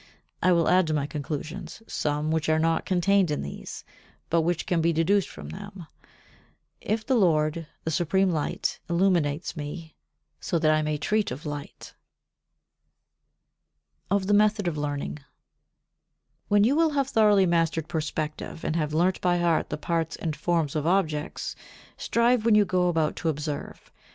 I will add to my conclusions some which are not contained in these, but which can be deduced from them, if the Lord, the Supreme Light, illuminates me, so that I may treat of light. [Sidenote: Of the Method of Learning] 58. When you will have thoroughly mastered perspective and have learnt by heart the parts and forms of objects, strive when you go about to observe.